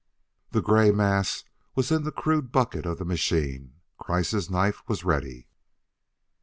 The gray mass was in the crude bucket of the machine. Kreiss' knife was ready.